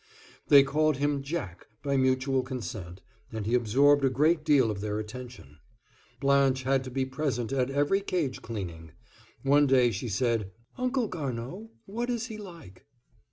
They called him "Jack" by mutual consent, and he absorbed a great deal of their attention. Blanche had to be present at every cage cleaning. One day she said, "Uncle Garnaud, what is he like?"